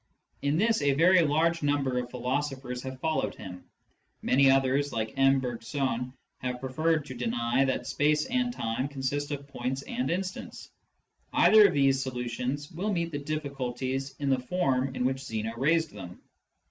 In this a very large number of philoso phers have followed him. Many others, like M. Bergson, have preferred to deny that space and time consist of points and instants. Either of these solutions will meet the diflliculties in the form in which Zeno raised them.